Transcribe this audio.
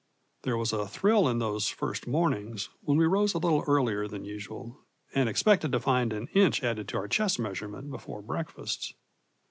There was a thrill in those first mornings when we rose a little earlier than usual and expected to find an inch added to our chest measurement before breakfast.